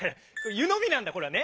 「ゆのみ」なんだこれはね。